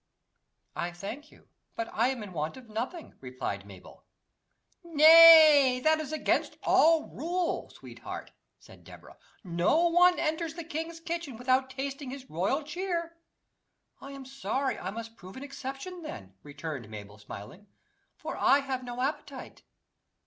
"I thank you, but I am in want of nothing," replied Mabel. "Nay, that is against all rule, sweetheart," said Deborah; "no one enters the king's kitchen without tasting his royal cheer." "I am sorry I must prove an exception, then," returned Mabel, smiling; "for I have no appetite."